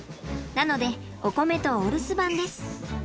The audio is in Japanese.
なのでおこめとお留守番です。